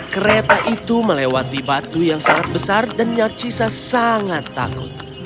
kereta itu melewati batu yang sangat besar dan nyarcisa sangat takut